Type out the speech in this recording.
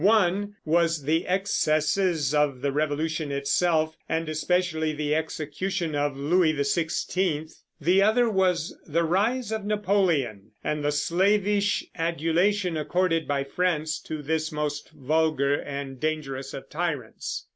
One was the excesses of the Revolution itself, and especially the execution of Louis XVI; the other was the rise of Napoleon, and the slavish adulation accorded by France to this most vulgar and dangerous of tyrants.